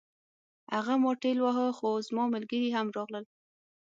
هغه ما ټېل واهه خو زما ملګري هم راغلل